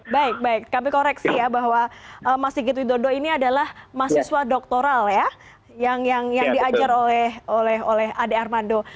baik baik kami koreksi ya bahwa mas sigit widodo ini adalah mahasiswa doktoral ya yang diajar oleh ade armando